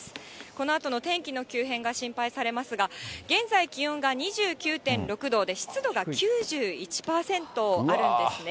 このあとの天気の急変が心配されますが、現在、気温が２９．６度で湿度が９１％あるんですね。